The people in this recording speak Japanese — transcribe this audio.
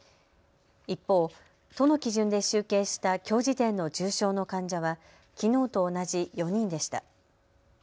一方、都の基準で集計したきょう時点の重症の患者はきのうと同じ４人でした。